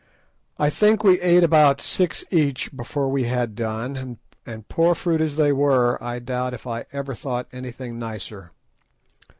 I think we ate about six each before we had done, and poor fruit as they were, I doubt if I ever thought anything nicer.